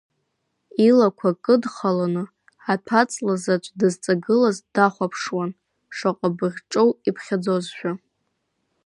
Илақәа кыдхаланы аҭәаҵла заҵә дызҵагылаз дахәаԥшуан, шаҟа быӷь ҿоу иԥхьаӡозшәа…